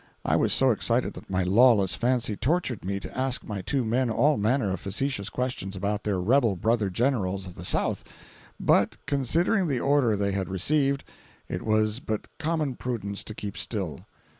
I was so excited that my lawless fancy tortured me to ask my two men all manner of facetious questions about their rebel brother generals of the South, but, considering the order they had received, it was but common prudence to keep still.